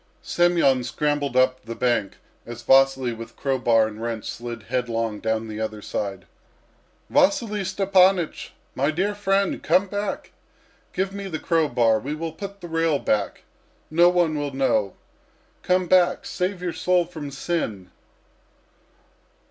Semyon scrambled up the bank, as Vasily with crow bar and wrench slid headlong down the other side. "Vasily Stepanych! My dear friend, come back! Give me the crow bar. We will put the rail back; no one will know. Come back! Save your soul from sin!"